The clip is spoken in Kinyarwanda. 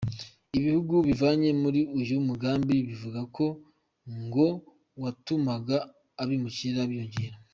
Ibihugu byivanye muri uyu mugambi bivuga ko ngo watumaga abimukira biyongera.